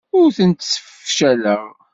Ur tent-ssefcaleɣ.